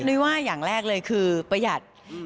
นุ้ยว่าอย่างแรกเลยคือประหยัด